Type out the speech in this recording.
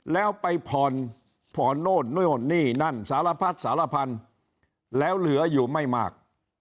แล้วไปผ่อนผ่อนโน่นโน่นนี่นั่นสารพัดสารพันธุ์แล้วเหลืออยู่ไม่มาก